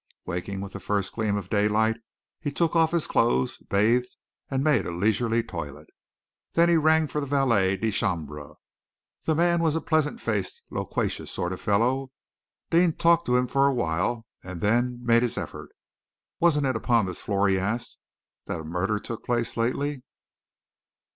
Waking with the first gleam of daylight, he took off his clothes, bathed, and made a leisurely toilet. Then he rang for the valet de chambre. The man was a pleasant faced, loquacious sort of fellow. Deane talked to him for a while, and then made his effort. "Wasn't it upon this floor," he asked, "that a murder took place lately?"